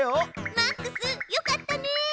マックスよかったね！